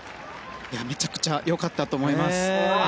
めちゃくちゃ良かったと思います。